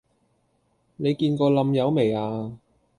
你見過冧友未呀?